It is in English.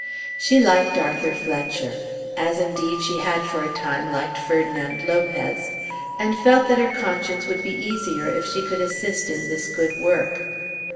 She liked Arthur Fletcher, as indeed she had for a time liked Ferdinand Lopez, and felt that her conscience would be easier if she could assist in this good work.